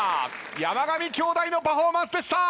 山上兄弟のパフォーマンスでした。